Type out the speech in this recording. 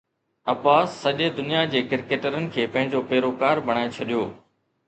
عباس سڄي دنيا جي ڪرڪيٽرن کي پنهنجو پيروڪار بڻائي ڇڏيو